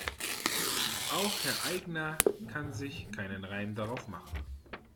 Auch Herr Aigner kann sich keinen Reim darauf machen.